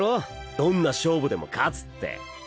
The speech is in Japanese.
どんな勝負でも勝つって。